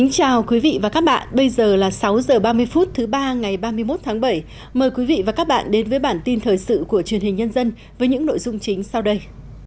chào mừng quý vị đến với bản tin thời sự của truyền hình nhân dân với những nội dung chính sau đây